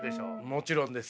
もちろんです。